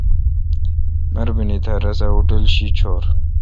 مربینی تھیا رس ا ہوٹل شی چھور۔